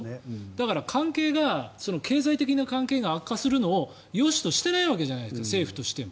だから経済的な関係が悪化するのをよしとしていないわけじゃないですか、政府は。